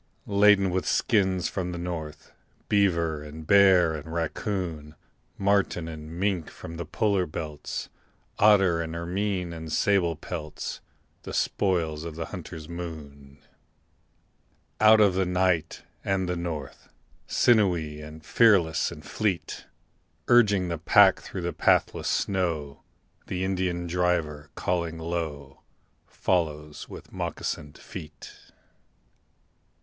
Laden with skins from the north, Beaver and bear and raccoon, Marten and mink from the polar belts, Otter and ermine and sable pelts The spoils of the hunter's moon. Out of the night and the north, Sinewy, fearless and fleet, Urging the pack through the pathless snow, The Indian driver, calling low, Follows with moccasined feet.